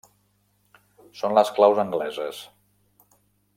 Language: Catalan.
Són les claus angleses.